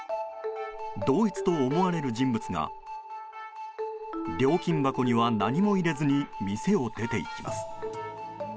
同一と思われる人物が料金箱には何も入れずに店を出ていきます。